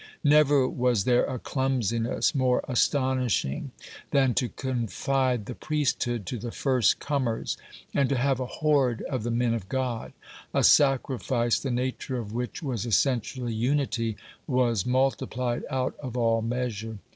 OBERMANN 175 Never was there a clumsiness more astonishing than to confide the priesthood to the first comers, and to have a horde of the men of God. A sacrifice, the nature of which was essentially unity, was multiplied out of all measure.